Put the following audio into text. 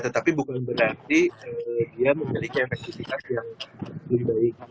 tetapi bukan berarti dia memiliki efektivitas yang belum baik